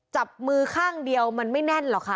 จับมือข้างเดียวมันไม่แน่นหรอกคะ